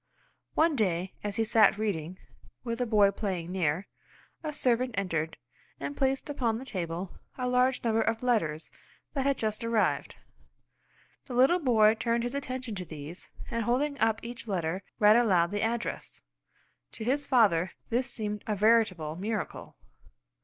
One day as he sat reading, with the boy playing near, a servant entered, and placed upon the table a large number of letters that had just arrived. The little boy turned his attention to these, and holding up each letter read aloud the address. To his father this seemed a veritable miracle.